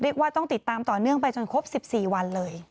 ต้องติดตามต่อเนื่องไปจนครบ๑๔วันเลย